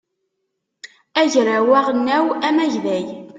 agraw aɣelnaw amagday